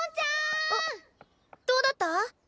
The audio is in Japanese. あっどうだった？